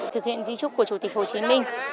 thực hiện di trúc của chủ tịch hồ chí minh